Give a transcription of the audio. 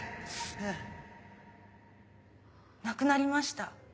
亡くなりました